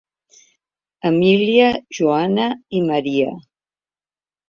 Emília, Joana i Maria.